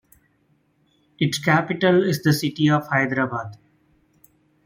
Its capital is the city of Hyderabad.